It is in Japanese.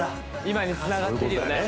今につながってるよね